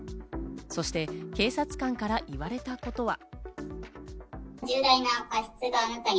そして警察官から言われたことは。